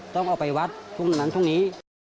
ต้องเอาไปวัดตรงนั้นตรงนี้